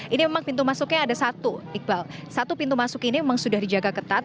ini memang pintu masuknya ada satu iqbal satu pintu masuk ini memang sudah dijaga ketat